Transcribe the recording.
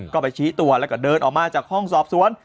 ก็ไปชี้ตัวแล้วก็เดินออกมาจากห้องสอบสวน